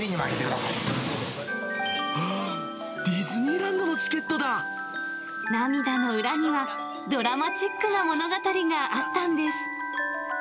ディズニーランドのチケット涙の裏には、ドラマチックな物語があったんです。